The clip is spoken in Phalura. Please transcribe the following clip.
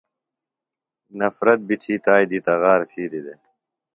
نفرت بیۡ تھی تائی دی تغار تِھیلیۡ دےۡ۔